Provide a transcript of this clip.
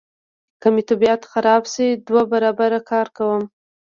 که مې طبیعت خراب شي دوه برابره کار کوم.